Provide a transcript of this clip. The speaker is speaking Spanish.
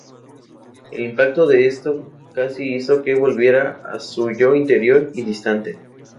El impacto de esto casi hizo que volviera a su yo anterior y distante.